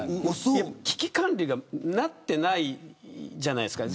危機管理がなってないじゃないですか。